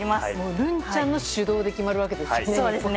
るんちゃんの主導で決まるわけですね。